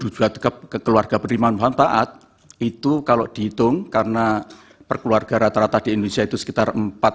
dua puluh dua juta keluarga penerimaan bantuan itu kalau dihitung karena perkeluarga rata rata di indonesia itu sekitar empat tujuh puluh satu